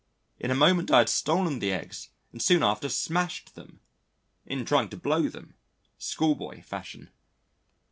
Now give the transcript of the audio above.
In a moment I had stolen the eggs and soon after smashed them in trying to blow them, schoolboy fashion.